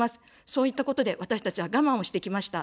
そういったことで私たちは我慢をしてきました。